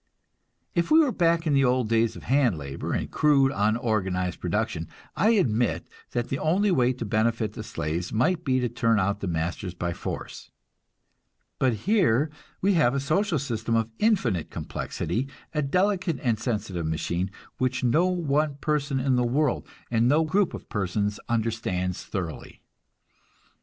If we were back in the old days of hand labor and crude, unorganized production, I admit that the only way to benefit the slaves might be to turn out the masters by force. But here we have a social system of infinite complexity, a delicate and sensitive machine, which no one person in the world, and no group of persons understands thoroughly.